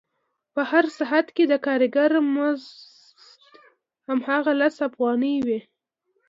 که په هر ساعت کې د کارګر مزد هماغه لس افغانۍ وي